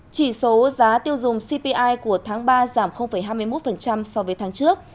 chỉ số giá tiêu dùng cpi của tháng ba giảm hai mươi một so với tháng trước